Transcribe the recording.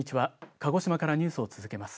鹿児島からニュースを続けます。